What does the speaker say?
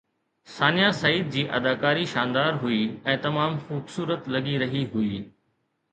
ثانيه سعيد جي اداڪاري شاندار هئي ۽ تمام خوبصورت لڳي رهي هئي